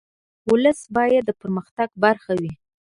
ولس باید د پرمختګ برخه وي.